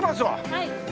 はい。